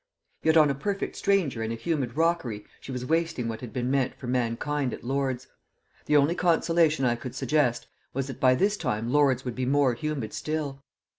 Yet on a perfect stranger in a humid rockery she was wasting what had been meant for mankind at Lord's. The only consolation I could suggest was that by this time Lord's would be more humid still.